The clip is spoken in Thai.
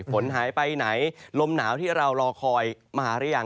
ฝนหายไปไหนลมหนาวที่เรารอคอยมาหาหรือยัง